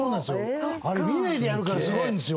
あれ見ないでやるからすごいんですよ